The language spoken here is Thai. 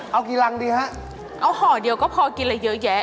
เอากี่รังดีฮะเอาห่อเดียวก็พอกินอะไรเยอะแยะ